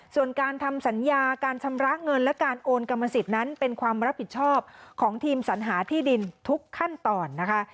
ส่วนการทำสัญญาการชำระเงินและการโอนกรรมสิทธิ์นั้นเป็นความรับผิดชอบของทีมสัญหาที่ดินทุกขั้นตอนนะคะ